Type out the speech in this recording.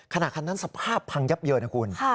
ขณะคันนั้นสภาพพังยับเยินนะคุณ